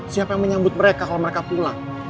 siapa yang menyambut mereka kalau mereka pulang